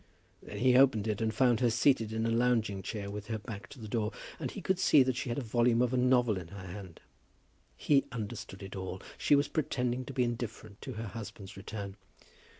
Then he opened it, and found her seated in a lounging chair, with her back to the door, and he could see that she had a volume of a novel in her hand. He understood it all. She was pretending to be indifferent to her husband's return.